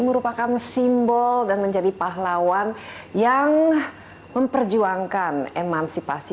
merupakan simbol dan menjadi pahlawan yang memperjuangkan emansipasi